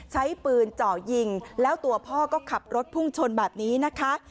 ใช้ปืนเจาะยิงแล้วตัวพ่อก็ขับรถพุ่งชนแบบนี้นะคะ